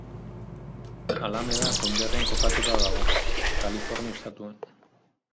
Alameda konderrian kokatuta dago, Kalifornia estatuan.